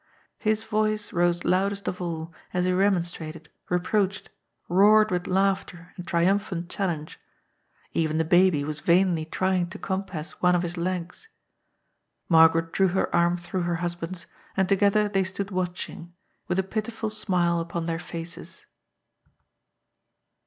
His voice rose loudest of all, as he remonstrated, reproached, roared with laughter and trium phant challenge. Even the baby was vainly trying to com pass one of his legs. Margaret drew her arm through her husband's, and together they stood watching, with a pitiful smile upon their faces.